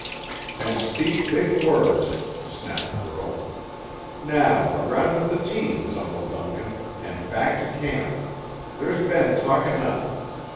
"And speak big words," snapped the girl. "Now, around with the teams, Uncle Duncan, and back to camp. There's been talk enough.